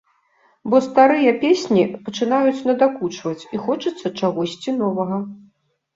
Бо старыя песні пачынаюць надакучваць і хочацца чагосьці новага.